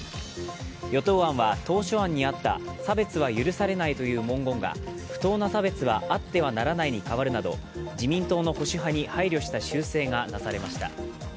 与党案は、当初案にあった差別は許されないという文言が不当な差別はあってはならないに変わるなど、自民党の保守派に配慮した修正がなされました。